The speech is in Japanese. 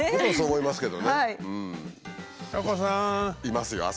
いますね。